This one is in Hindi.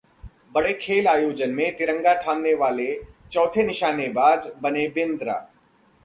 बड़े खेल आयोजन में तिरंगा थामने वाले चौथे निशानेबाज बने बिंद्रा